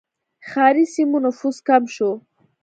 ښاري سیمو نفوس کم شو.